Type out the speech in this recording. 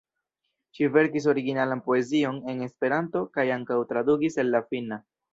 Ŝi verkis originalan poezion en Esperanto kaj ankaŭ tradukis el la finna.